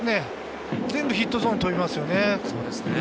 全部ヒットゾーンに飛びますよね。